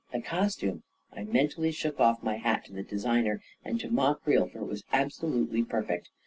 The costume — I mentally took off my hat to the designer and to Ma Creel, for it was absolutely perfect.